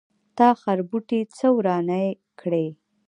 تا خربوټي څه ورانی کړی.